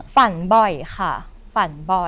ฝันบ่อยค่ะฝันบ่อย